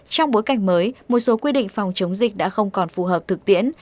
trong bối cảnh mới một số quy định phòng chống dịch đã không còn phù hợp thực tiễn